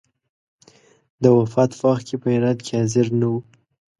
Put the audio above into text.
د وفات په وخت کې په هرات کې حاضر نه وو.